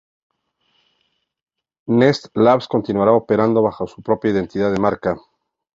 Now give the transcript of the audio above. Nest Labs continuará operando bajo su propia identidad de marca.